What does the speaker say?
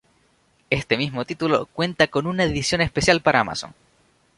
Este mismo título cuenta con una edición especial para Amazon.